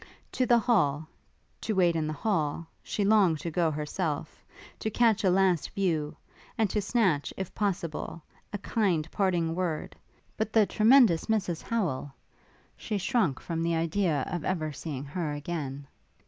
To the hall, to wait in the hall, she longed to go herself, to catch a last view, and to snatch, if possible, a kind parting word; but the tremendous Mrs Howel! she shrunk from the idea of ever seeing her again.